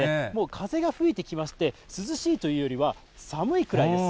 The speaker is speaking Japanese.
風が吹いてきまして、涼しいというよりは、寒いくらいです。